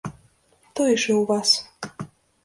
Тое ж і ў вас.